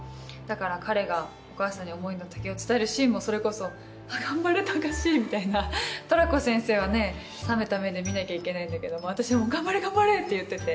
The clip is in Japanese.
だから彼がお母さんに思いの丈を伝えるシーンもそれこそ「頑張れ高志」みたいなトラコ先生は冷めた目で見なきゃいけないんだけど私は「頑張れ頑張れ！」って言ってて。